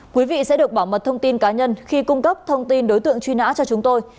quý vị sẽ được bảo mật thông tin cá nhân khi cung cấp thông tin đối tượng truy nã cho chúng tôi